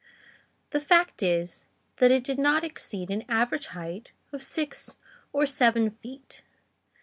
The fact is, that it did not exceed an average height of six or seven feet.